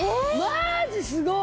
マジすごい！